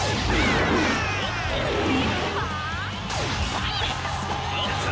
パイレッツ！